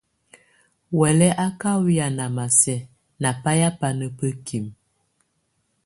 Huɛ̀lɛ á ká wɛyá námásɛ̀á ná bayɛ́ bána bǝ́kimǝ.